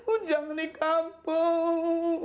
ujang di kampung